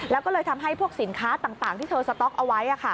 แล้วก็เลยทำให้พวกสินค้าต่างที่เธอสต๊อกเอาไว้